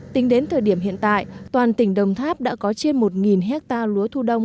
tính đến thời điểm hiện tại toàn tỉnh đồng tháp đã có trên một hectare lúa thu đông